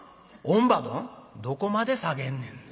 「どこまで下げんねん。